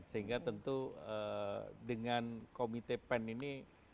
sehingga tentu dengan komite pen ini